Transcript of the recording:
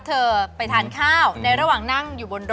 เดี๋ยวไปทานข้าวเดี๋ยวปั๊บหนึ่งนะ